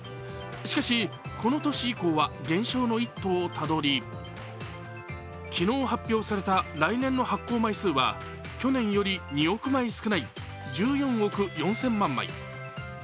しかし、この年以降は減少の一途をたどり、昨日発表された来年の発行枚数は去年より２億枚少ない１４億４０００万枚。